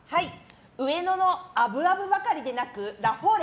上野のＡＢＡＢばかりではなくラフォーレ